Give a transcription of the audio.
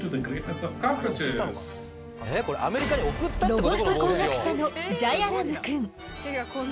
ロボット工学者のジャヤラムくん。